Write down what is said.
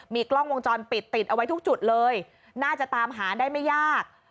มีกล้องวงจรปิดติดเอาไว้ทุกจุดเลยน่าจะตามหาได้ไม่ยาก